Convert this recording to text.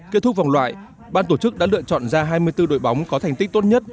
kết thúc vòng loại ban tổ chức đã lựa chọn ra hai mươi bốn đội bóng có thành tích tốt nhất